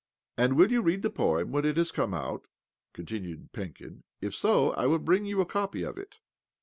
" And' will you read the poem when it has come out?" continued Penkin. "If so, I will bring you a copy of it."